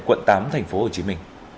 quận tám tp hcm